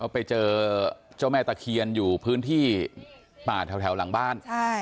ไปเจอเจ้าแม่ตะเคียนอยู่พื้นที่ป่าแถวหลังบ้าน